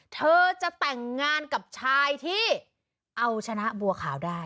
เธอจะแต่งงานกับชายที่เอาชนะบัวขาวได้